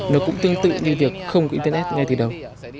nó cũng tương tự như việc không có internet ngay từ đầu